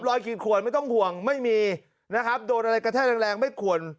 ขีดขวนไม่ต้องห่วงไม่มีนะครับโดนอะไรกระแทกแรงแรงไม่ควร